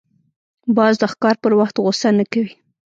باز د ښکار پر وخت غوسه نه کوي